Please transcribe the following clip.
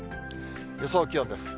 予想気温です。